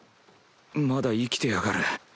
まだ生きてやがる。